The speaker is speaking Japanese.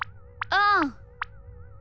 うん。